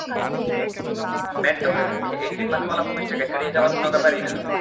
Mad ডগের পক্ষে এই তিন মাথাওয়ালা খবিশটাকে ছাড়িয়ে যাওয়া কোনও ব্যাপারই না!